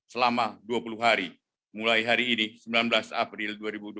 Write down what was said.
selama dua puluh hari mulai hari ini sembilan belas april dua ribu dua puluh